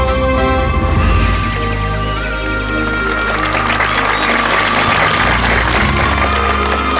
โชว์สี่ภาคจากอัลคาซ่าครับ